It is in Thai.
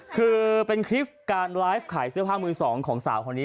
คือเป็นคลิปการไลฟ์ขายเสื้อผ้ามือสองของสาวคนนี้